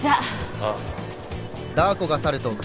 あっ。